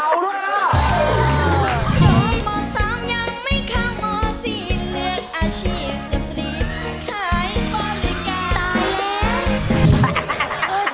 ชอบหมวดสองยังไม่ข้างหมวดสี่เลือกอาชีพจะพลีขายบริการ